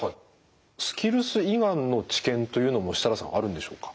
スキルス胃がんの治験というのも設樂さんあるんでしょうか？